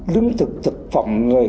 lương thực thực phẩm